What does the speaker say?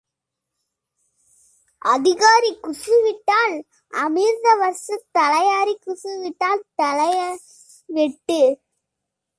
அதிகாரி குசு விட்டால் அமிர்த வஸ்து தலையாரி குசு விட்டால் தலையை வெட்டு.